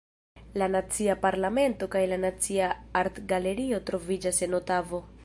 La Nacia Parlamento kaj la Nacia Artgalerio troviĝas en Otavo.